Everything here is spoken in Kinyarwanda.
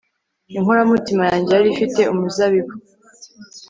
inkoramutima yanjye yari ifite umuzabibu